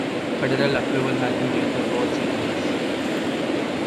Federal approval has been given for both segments.